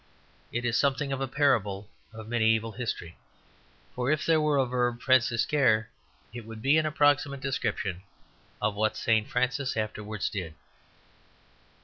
It is something of a parable of mediæval history; for if there were a verb Franciscare it would be an approximate description of what St. Francis afterwards did.